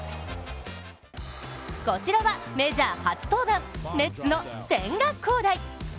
こちらは、メジャー初登板メッツの千賀滉大。